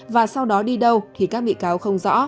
và sau đó đi đâu thì các bị cáo không rõ